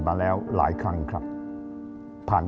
การเลือกตัว